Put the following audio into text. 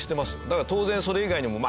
だから当然それ以外にも。